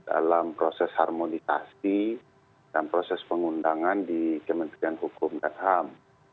dalam proses harmonisasi dan proses pengundangan di kementerian hukum dan ham